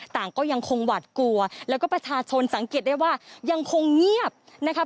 ต่างก็ยังคงหวัดกลัวแล้วก็ประชาชนสังเกตได้ว่ายังคงเงียบนะคะ